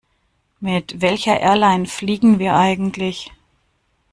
Mit welcher Airline fliegen wir eigentlich?